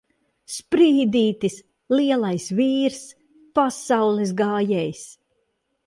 Sprīdītis! Lielais vīrs! Pasaules gājējs!